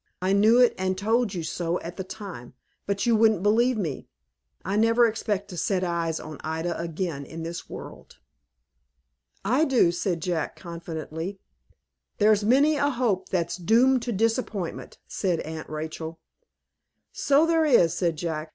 I knew it, and told you so at the time, but you wouldn't believe me. I never expect to set eyes on Ida again in this world." "I do," said Jack, confidently. "There's many a hope that's doomed to disappointment," said Aunt Rachel. "So there is," said Jack.